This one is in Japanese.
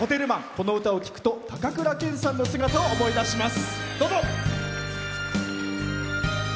この歌を聴くと高倉健さんの姿を思い出します。